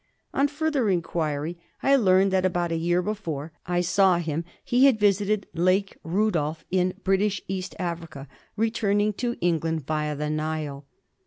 On further inquiry I learned that about a year before I saw him he had visited Lake Rudolf, in British East Africa, returning to England via the Nile.